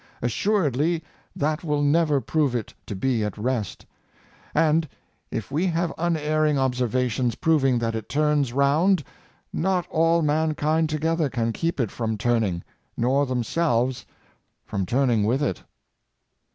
As suredly that will never prove it to be at rest; and if we have unerring observations proving t?iat it turns round, not all mankind together can keep it from turn ing, nor themselves from turning with it.''